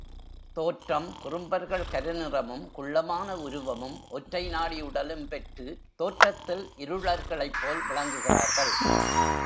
தோற்றம் குறும்பர்கள் கருநிறமும், குள்ளமான உருவமும், ஒற்றை நாடி உடலும் பெற்று, தோற்றத்தில் இருளர்களைப்போல் விளங்குகிறார்கள்.